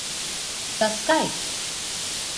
Саскай!